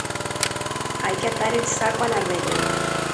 hay que atar el saco a la red.